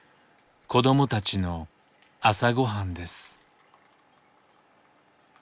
子どもたちの朝ごはんです。